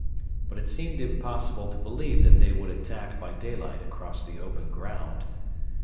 But it seemed impossible to believe that they would attack by daylight across the open ground.